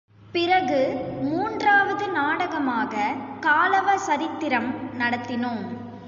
பிறகு மூன்றாவது நாடகமாக காலவ சரித்திரம் நடத்தினோம்.